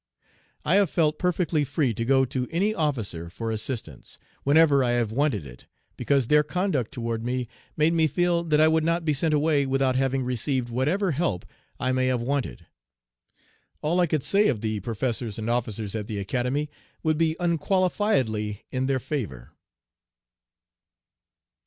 I have felt perfectly free to go to any officer for assistance, whenever I have wanted it, because their conduct toward me made me feel that I would not be sent away without having received whatever help I may have wanted. All I could say of the professors and officers at the Academy would be unqualifiedly in their favor.